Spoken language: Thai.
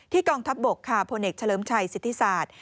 ที่กองทัพบกพรเนคฉะเลิมไชยสิทธิศาสตร์